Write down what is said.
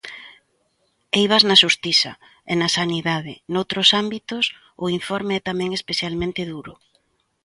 Eivas na xustiza e na sanidade Noutros ámbitos, o informe é tamén especialmente duro.